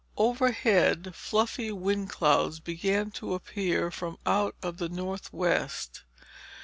Overhead, fluffy wind clouds began to appear from out of the northwest.